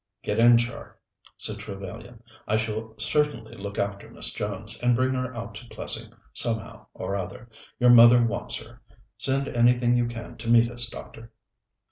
"Get in, Char," said Trevellyan. "I shall certainly look after Miss Jones, and bring her out to Plessing somehow or other. Your mother wants her. Send anything you can to meet us, doctor."